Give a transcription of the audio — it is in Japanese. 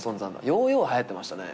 ヨーヨーははやってましたね。